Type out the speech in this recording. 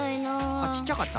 あっちっちゃかった？